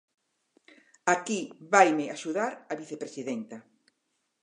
Aquí vaime axudar a vicepresidenta.